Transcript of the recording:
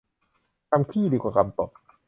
กำขี้ดีกว่ากำตด